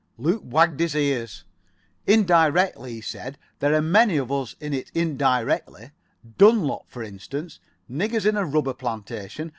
Luke wagged his ears. "Indirectly," he said. "There are many of us in it indirectly. Dunlop, for instance. Niggers in a rubber plantation.